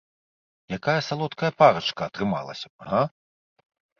Якая салодкая парачка атрымалася б, га?!